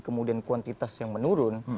kemudian kuantitas yang menurun